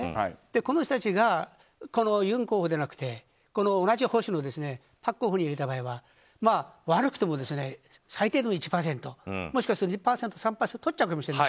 この人たちがユン候補じゃなくて同じ保守のパク候補に入れた場合は悪くても最低でも１％もしかすると２％、３％とっちゃうかもしれない。